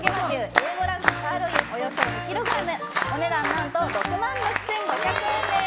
Ａ５ランクサーロインおよそ２ｋｇお値段何と６万６５００円です。